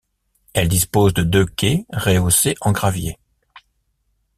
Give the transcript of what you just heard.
Elle dispose de deux quais rehaussés en gravier.